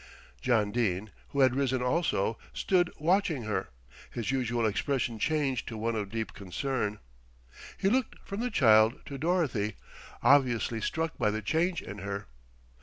John Dene, who had risen also, stood watching her, his usual expression changed to one of deep concern. He looked from the child to Dorothy, obviously struck by the change in her.